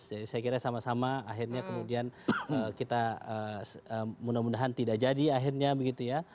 jadi saya kira sama sama akhirnya kemudian kita mudah mudahan tidak jadi akhirnya begitu ya